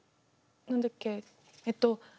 何だっけえっと